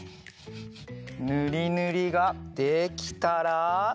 ぬりぬりができたら。